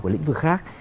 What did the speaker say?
của lĩnh vực khác